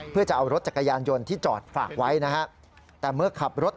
เพื่อจะเอารถจักรยานยนต์ที่จอดฝากไว้นะฮะแต่เมื่อขับรถ